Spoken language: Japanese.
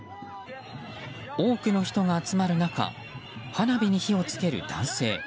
多くの人が集まる中花火に火を付ける男性。